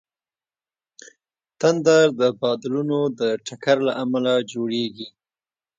تندر د بادلونو د ټکر له امله جوړېږي.